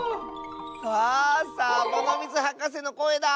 あサボノミズはかせのこえだ！